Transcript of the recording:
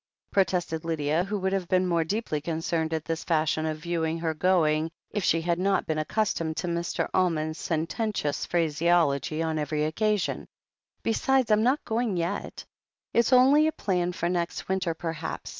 protested Lydia, who would have been more deeply concerned at this fashion of viewing her going if she had not been accustomed to Mr. Almond's sententious phraseology on every occasion. "Besides, Fm not going yet. It's only a plan for next winter perhaps.